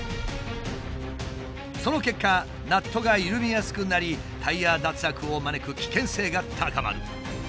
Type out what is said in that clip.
その結果ナットが緩みやすくなりタイヤ脱落を招く危険性が高まる。